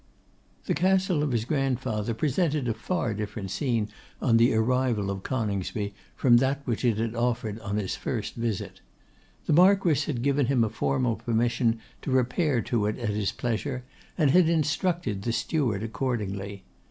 The castle of his grandfather presented a far different scene on the arrival of Coningsby from that which it had offered on his first visit. The Marquess had given him a formal permission to repair to it at his pleasure, and had instructed the steward accordingly.